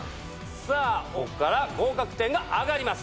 さぁこっから合格点が上がります。